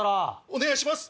お願いします！